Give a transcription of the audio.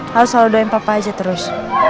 harus selalu doain papa aja terus